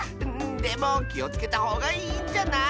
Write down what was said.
でもきをつけたほうがいいんじゃない？